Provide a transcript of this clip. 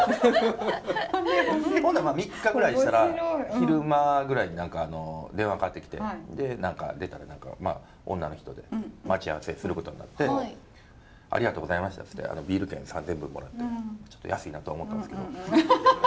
ほんでまあ３日くらいしたら昼間ぐらいに電話かかってきて出たらまあ女の人で待ち合わせすることになってありがとうございましたって言ってビール券３，０００円分もらってちょっと安いなとは思ったんですけど。